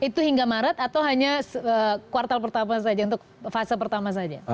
itu hingga maret atau hanya kuartal pertama saja untuk fase pertama saja